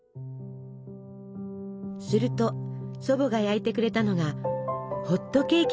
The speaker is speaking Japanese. すると祖母が焼いてくれたのがホットケーキでした。